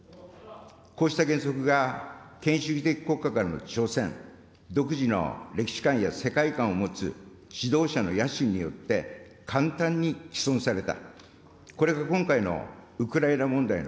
こうした原則が、権威主義的国家からの挑戦、独自の歴史観や世界観を持つ指導者の野心によって簡単に毀損された。